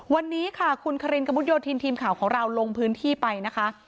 วันนี้ค่ะคุณคารินกระมุดโยธินทีมข่าวของเราลงพื้นที่ไปนะคะ